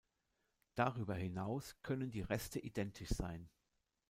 Darüber hinaus können die Reste identisch sein.